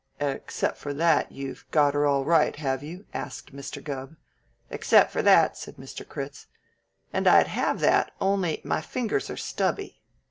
"Except for that, you've got her all right, have you?" asked Mr. Gubb. "Except for that," said Mr. Critz; "and I'd have that, only my fingers are stubby."